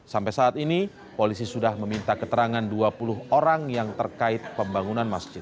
sampai saat ini polisi sudah meminta keterangan dua puluh orang yang terkait pembangunan masjid